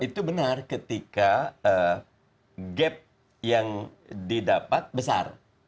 itu benar ketika gap yang didapat besar